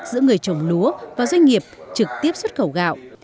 giữa người trồng lúa và doanh nghiệp trực tiếp xuất khẩu gạo